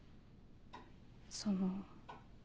その。